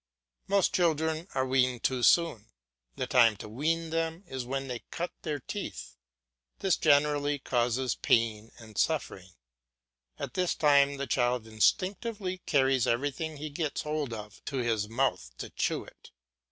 Most children are weaned too soon. The time to wean them is when they cut their teeth. This generally causes pain and suffering. At this time the child instinctively carries everything he gets hold of to his mouth to chew it.